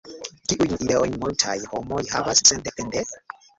Kiujn ideojn multaj homoj havas sendepende?